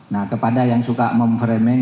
nah kepada yang suka memframing